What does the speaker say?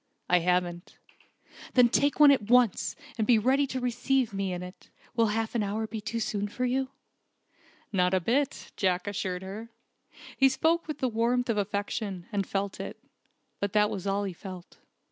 "I haven't." "Then take one at once, and be ready to receive me in it. Will half an hour be too soon for you?" "Not a bit," Jack assured her. He spoke with the warmth of affection, and felt it. But that was all he felt.